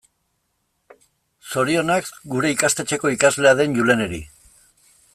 Zorionak gure ikastetxeko ikaslea den Juleneri.